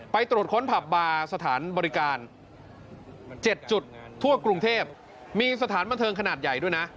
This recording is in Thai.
ไปตรวจค้นผับบาร์สถานบริการ๗จุดทั่วกรุงเทพมีสถานบันเทิงขนาดใหญ่ด้วยนะ